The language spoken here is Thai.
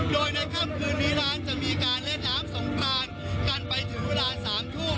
โดยในค่ำคืนนี้ร้านจะมีการเล่นน้ำสงกรานกันไปถึงเวลา๓ทุ่ม